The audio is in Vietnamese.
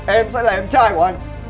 em sẽ là em trai của anh